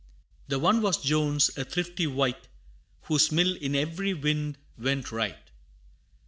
The one was Jones, a thrifty wight Whose mill in every wind went right.